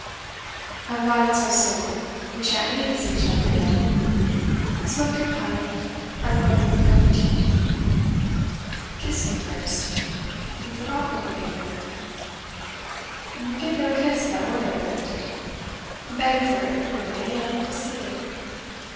'I'm glad it's so soon. We shan't need to see each other again. Smoke your pipe. I'm going to make a cup of tea.' 'Kiss me first. You forgot when you came in.' 'You get no kiss by ordering it. Beg for it prettily, and we'll see.